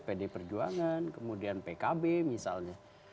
pd perjuangan kemudian pkb misalnya